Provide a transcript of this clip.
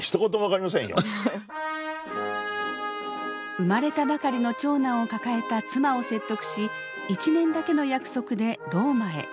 生まれたばかりの長男を抱えた妻を説得し１年だけの約束でローマへ。